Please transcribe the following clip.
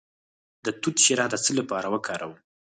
د توت شیره د څه لپاره وکاروم؟